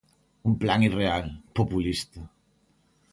Un plan irreal, populista.